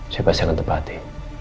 saya pasti akan tepati